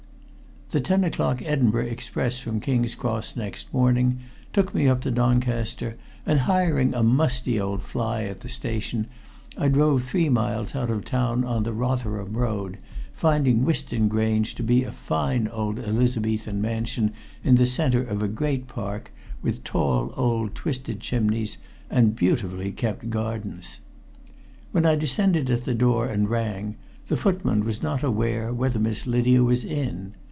The ten o'clock Edinburgh express from King's Cross next morning took me up to Doncaster, and hiring a musty old fly at the station, I drove three miles out of the town on the Rotherham Road, finding Whiston Grange to be a fine old Elizabethan mansion in the center of a great park, with tall old twisted chimneys, and beautifully kept gardens. When I descended at the door and rang, the footman was not aware whether Miss Lydia was in.